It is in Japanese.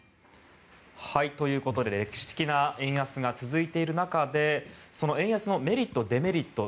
ということで歴史的な円安が続いている中でその円安のメリット、デメリット